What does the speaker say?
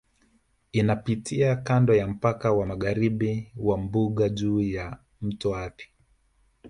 Inapitia kando ya mpaka wa magharibi wa Mbuga juu ya Mto Athi